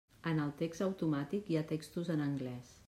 En el text automàtic hi ha textos en anglès.